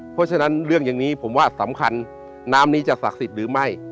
เพราะฉะนั้นเรื่องอย่างนี้ผมว่าสำคัญน้ำนี้จะศักดิ์สิทธิ์หรือไม่